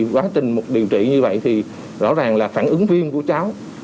quá trình điều trị như vậy thì rõ ràng là phản ứng viêm của cháu